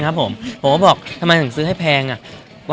เห็นว่าโดนทิ้งโดนเทอีกแล้ว